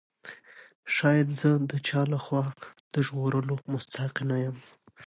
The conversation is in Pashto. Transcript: شاید زه د چا له خوا د ژغورلو مستحق نه یم.